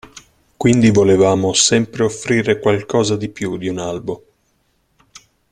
Quindi volevamo sempre offrire qualcosa di più di un albo.